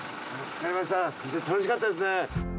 すごい楽しかったですね。